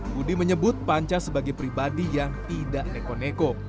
budi menyebut panca sebagai pribadi yang tidak neko neko